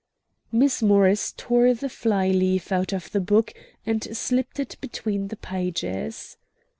Miss Morris tore the fly leaf out of the book, and slipped it between the pages.